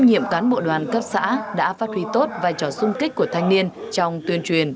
các nhiệm cán bộ đoàn cấp xã đã phát huy tốt vai trò sung kích của thanh niên trong tuyên truyền